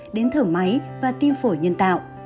đến thở máy và tim phổi nhân tạo